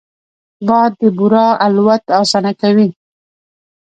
باد د بورا الوت اسانه کوي